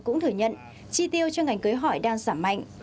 cũng thừa nhận chi tiêu cho ngành cưới hỏi đang giảm mạnh